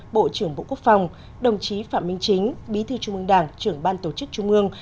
bộ trưởng bộ quốc phòng đồng chí phạm minh chính bí thư trung ương đảng trưởng ban tổ chức trung ương